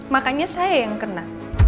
makanya saya yang kena